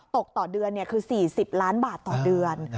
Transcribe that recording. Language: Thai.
ต่อเดือนคือ๔๐ล้านบาทต่อเดือน